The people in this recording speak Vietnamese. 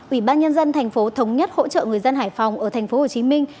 ủy ban nhân dân thành phố thống nhất hỗ trợ người dân hải phòng ở thành phố hồ chí minh